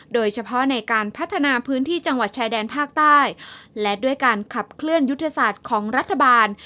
โดยเฉพาะในการพัฒนาพื้นที่จังหวัดชายแดนภาคใต้และด้วยการขับเคลื่อนยุทธศาสตร์ของรัฐบาล